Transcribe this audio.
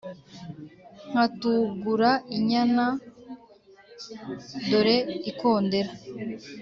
nkatugura inyana; dore ikondera.